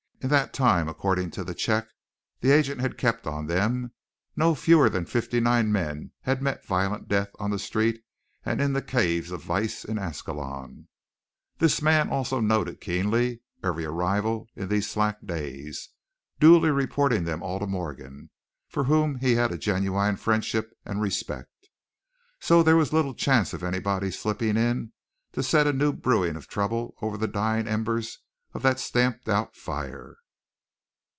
In that time, according to the check the agent had kept on them, no fewer than fifty nine men had met violent death on the street and in the caves of vice in Ascalon. This man also noted keenly every arrival in these slack days, duly reporting them all to Morgan, for whom he had a genuine friendship and respect. So there was little chance of anybody slipping in to set a new brewing of trouble over the dying embers of that stamped out fire.